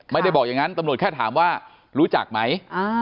ไม่ได้บอกอย่างนั้นตำรวจแค่ถามว่ารู้จักไหม